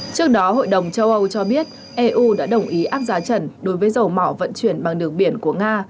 trước đó hội đồng châu âu cho biết eu đã đồng ý áp giá trần đối với dầu mỏ vận chuyển bằng đường biển của nga